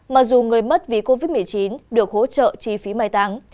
mặc dù người mất vì covid một mươi chín được hỗ trợ chi phí mai táng